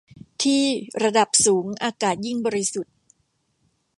ที่ ระดับสูงอากาศยิ่งบริสุทธิ์